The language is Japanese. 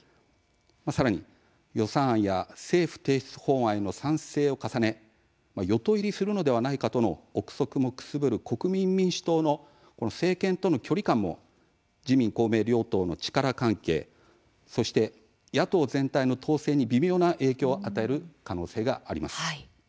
さらに予算案や政府提出法案への賛成を重ね与党入りするのではないかとの臆測もくすぶる国民民主党の政権との距離感も自民、公明両党の力関係、そして野党全体の党勢に微妙な影響を与える可能性があります。